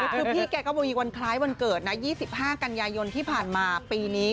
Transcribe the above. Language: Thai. คือพี่แกก็มีวันคล้ายวันเกิดนะ๒๕กันยายนที่ผ่านมาปีนี้